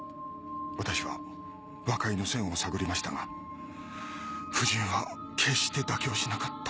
私は和解の線を探りましたが夫人は決して妥協しなかった。